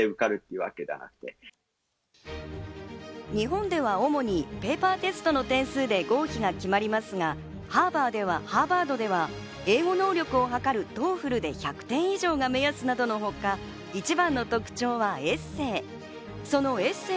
日本では主にペーパーテストの点数で合否が決まりますが、ハーバードでは英語能力を測るＴＯＥＦＬで１００点以上が目安などのほか、一番の特徴はエッセー。